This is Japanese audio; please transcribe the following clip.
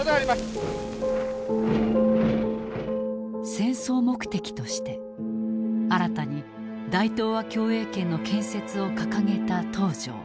戦争目的として新たに大東亜共栄圏の建設を掲げた東條。